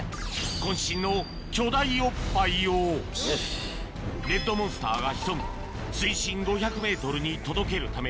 渾身の巨大おっぱいをレッドモンスターが潜む水深５００ｍに届けるため